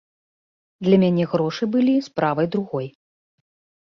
Для мяне грошы былі справай другой.